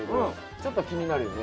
ちょっと気になるよね。